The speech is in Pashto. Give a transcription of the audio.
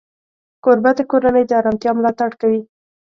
کوربه د کورنۍ د آرامتیا ملاتړ کوي.